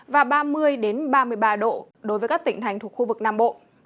và ba mươi ba mươi ba độ đối với các tỉnh thành thuộc khu vực nam bộ